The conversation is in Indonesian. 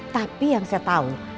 tapi yang saya tahu